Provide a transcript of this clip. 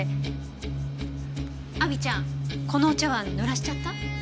亜美ちゃんこのお茶碗濡らしちゃった？